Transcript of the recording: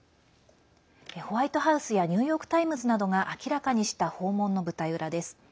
ホワイトハウスやニューヨーク・タイムズなどが明らかにした訪問の舞台裏です。